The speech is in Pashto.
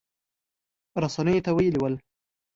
رسنیو ته ویلي ول